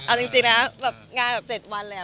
เอาจริงนะงานแบบเจ็ดวันเลยอะ